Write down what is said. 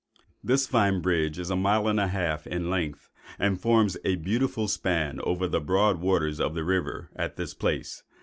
This fine bridge is a mile and a half in length, and forms a beautiful span over the broad waters of the river at this place.